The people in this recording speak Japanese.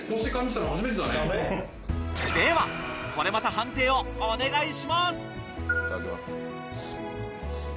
ではこれまた判定をお願いします！